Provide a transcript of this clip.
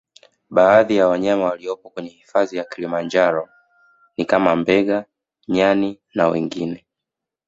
Baadhi ya wanyama waliopo kwenye hifadhi ya kilimanjaro ni kama Mbega nyani na wengine